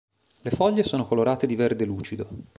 Le foglie sono colorate di verde lucido.